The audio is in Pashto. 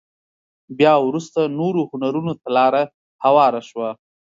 بيا وروسته نورو هنرونو ته لاره هواره شوه.